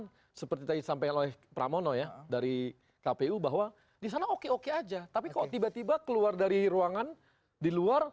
dan seperti tadi sampaikan oleh pramono ya dari kpu bahwa di sana oke oke aja tapi kok tiba tiba keluar dari ruangan di luar